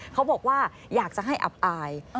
เขาบอกว่าอยากจะให้อับอาย